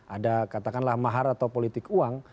ada katakanlah mahar atau politik uang